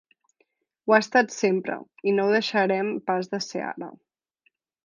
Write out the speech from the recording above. Ho ha estat sempre i no ho deixarem pas de ser ara.